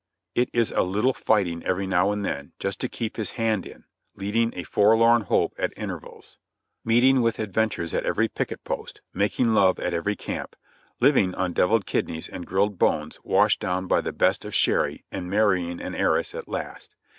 It is "a little fighting every now and then, just to keep his hand in," leading a forlorn hope at intervals, meeting with adventures at every picket post, making love at every camp, living on deviled kidneys and grilled bones washed down by the best of sherry, and marrying an heiress at last.